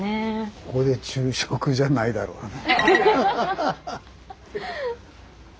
ここで昼食じゃないだろうな。